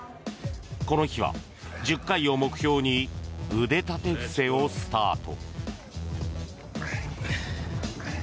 この日は１０回を目標に腕立て伏せをスタート。